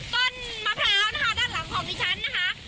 ต้นมะพร้าวนะคะด้านหลังของดิฉันนะคะ